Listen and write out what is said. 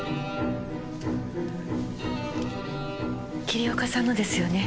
桐岡さんのですよね？